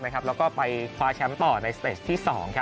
แล้วก็ไปคว้าแชมป์ต่อในสเตสที่๒